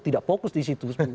tidak fokus di situ